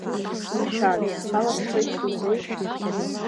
Умшәан, схала сцоит сымҳәеи!